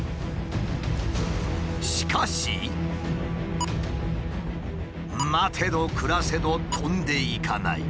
しかし待てど暮らせど飛んでいかない。